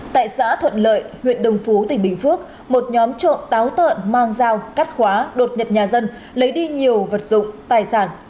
tại xã thuận lợi huyện đồng phú tỉnh bình phước một nhóm trộm táo tợn mang dao cắt khóa đột nhập nhà dân lấy đi nhiều vật dụng tài sản